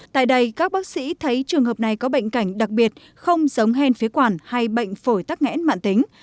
tại đây các bác sĩ thấy trường hợp này có bệnh cảnh đặc biệt không giống hen phế quản hay bệnh phổi tắc nghẽn mạng tính